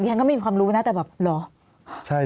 ฉันก็ไม่มีความรู้นะแต่แบบเหรอ